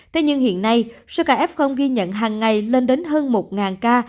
thế nhưng hiện nay số kf ghi nhận hàng ngày lên đến hơn một ca